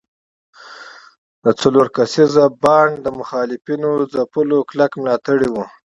د څلور کسیز بانډ د مخالفینو ځپلو کلک ملاتړي وو.